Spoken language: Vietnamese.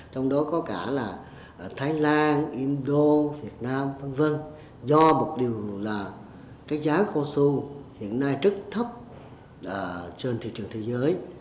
trong đó có cả là thái lan indo việt nam v v do một điều là cái giá cao su hiện nay rất thấp trên thị trường thế giới